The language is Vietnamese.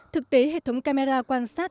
thực tế hệ thống camera quan sát